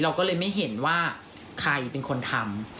เราก็เลยไม่เห็นว่าใครเป็นคนทำ